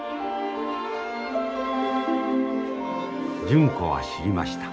純子は知りました。